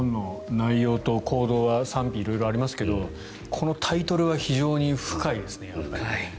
本の内容と行動には色々賛否がありますがこのタイトルは非常に深いですね。